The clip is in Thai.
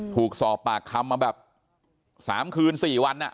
ถูกสอบปากคำมาแบบ๓คืน๔วัน